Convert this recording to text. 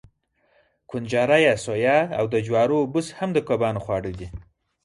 کنجاړه یا سویا او د جوارو بوس هم د کبانو خواړه دي.